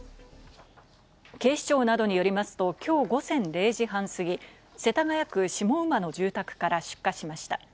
警視庁などによりますと今日午前０時半すぎ、世田谷区下馬の住宅から出火しました。